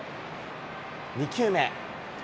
２球目。